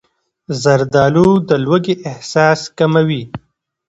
زردالو د لوږې احساس کموي.